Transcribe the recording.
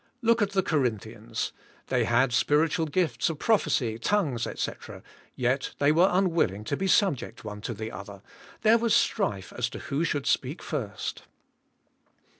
Look at the Cor inthians; they had spiritual gifts of prophecy, tongues, etc., yet they were unwilling to be subject one to the other, there v/as strife as to who should speak first.